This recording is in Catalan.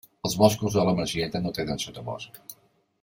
Els boscos de la Masieta no tenen sotabosc.